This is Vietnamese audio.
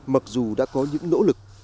mặc dù đã có những nỗ lực